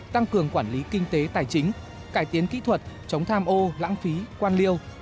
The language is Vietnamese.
tăng cường quản lý kinh tế tài chính cải tiến kỹ thuật chống tham ô lãng phí quan liêu